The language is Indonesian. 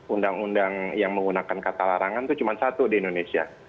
undang undang yang menggunakan kata larangan itu cuma satu di indonesia